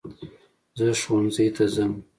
زه ښوونځی ته ځم